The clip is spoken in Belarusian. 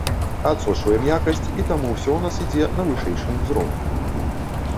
Адсочваем якасць, і таму ўсё у нас ідзе на вышэйшым узроўні.